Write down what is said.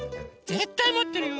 ぜったいもってるよ！